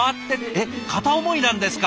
えっ片思いなんですか？